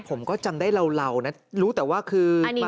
ผมก็จำได้เรานะรู้แต่ว่าคือ